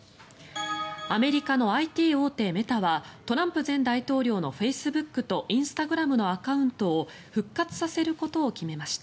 アメリカのＩＴ大手メタはトランプ前大統領のフェイスブックとインスタグラムのアカウントを復活させることを決めました。